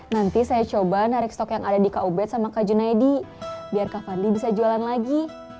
nanti saya coba narik stok yang ada di kubet sama kak junaidi biar kak fandi bisa jualan lagi